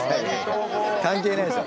関係ないでしょ？